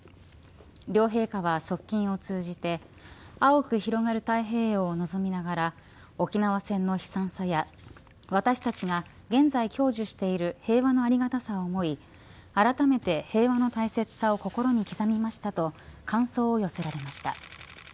両陛下は側近を通じて青く広がる太平洋を臨みながら沖縄戦の悲惨さや私たちが現在、享受している平和のありがたさを思いあらためて平和の大切さを心に刻みましたと感想を寄せられました。